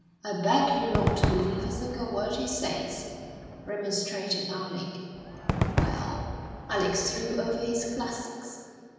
'I beg you not to believe a single word he says,' remonstrated Alec. 'Well, Alec threw over his classics.